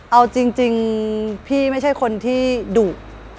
เอาจริงพี่ไม่ใช่คนที่ดุ